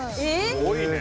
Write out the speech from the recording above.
すごいね。